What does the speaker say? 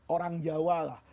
orang jawa lah